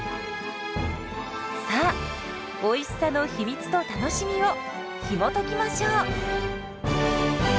さあおいしさの秘密と楽しみをひもときましょう！